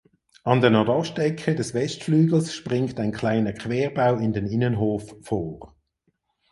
An der Nordostecke des Westflügels springt ein kleiner Querbau in den Innenhof vor.